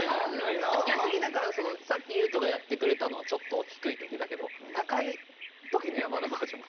でも逆にだからさっき裕翔がやってくれたのはちょっと低い時だけど高い時の山田バージョンも。